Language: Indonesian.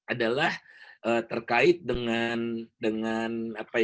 adalah terkait dengan